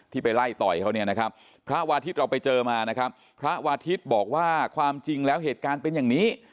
ไปไล่ต่อยเขาเนี่ยนะครับพระวาทิศเราไปเจอมานะครับพระวาทิศบอกว่าความจริงแล้วเหตุการณ์เป็นอย่างนี้